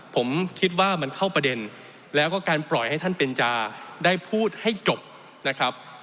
ผมคิดว่ามันเข้าประเด็นแล้วก็การปล่อยให้ท่านเบนจาได้พูดให้จบนะครับ